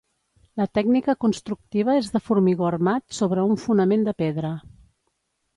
La tècnica constructiva és de formigó armat sobre un fonament de pedra.